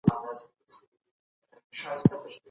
شاهنامه ټولنیز نهادونه په ښه توګه ښيي.